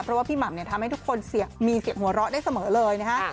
เพราะว่าพี่หม่ำเนี่ยทำให้ทุกคนมีเสียงหัวเราะได้เสมอเลยนะฮะ